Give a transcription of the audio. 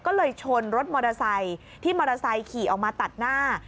ก็เลยชนรถมอเตอร์ไซค์ที่มอเตอร์ไซค์ขี่ออกมาตัดหน้า